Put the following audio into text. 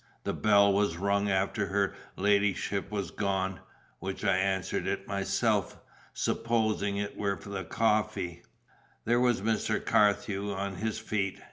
The bell was rung after her la'ship was gone, which I answered it myself, supposing it were the coffee. There was Mr. Carthew on his feet.